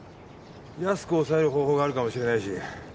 安く抑える方法があるかもしれないし。